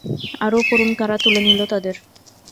আরও পড়ুন কারা তুলে নিল তাঁদের